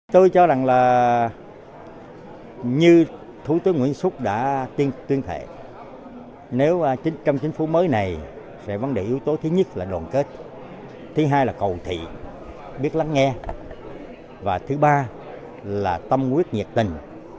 tôi cho rằng là như thủ tướng nguyễn xuất đã tuyên thệ nếu trong chính phủ mới này vấn đề yếu tố thứ nhất là đoàn kết thứ hai là cầu thị biết lắng nghe và thứ ba là tâm quyết nhiệt tình